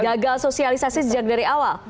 gagal sosialisasi sejak dari awal